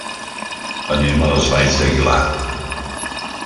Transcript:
Anem a les Valls d'Aguilar.